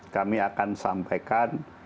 kami akan sampaikan